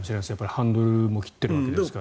ハンドルも切ってるわけですから。